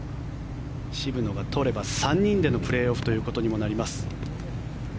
渋野が取れば３人でのプレーオフということにもなります。